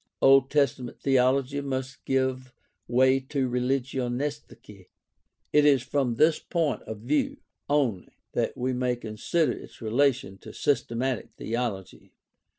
Old Testament theology must give way to Religionsgeschichte. It is from this point of view only that we may consider its relation to systematic theology.